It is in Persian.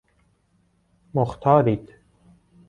مختارید